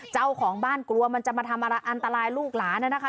เจ้าของบ้านกลัวมันจะมาทำอะไรอันตรายลูกหลานนะคะ